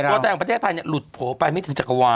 ตัวแทนของประเทศไทยหลุดโผล่ไปไม่ถึงจักรวาล